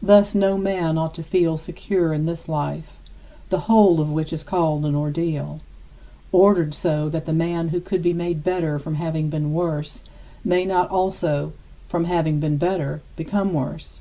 Thus no man ought to feel secure in this life, the whole of which is called an ordeal, ordered so that the man who could be made better from having been worse may not also from having been better become worse.